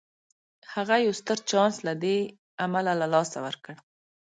هغه يو ستر چانس له دې امله له لاسه ورکړ.